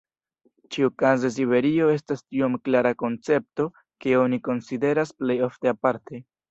Ĉiukaze Siberio estas tiom klara koncepto ke oni konsideras plej ofte aparte.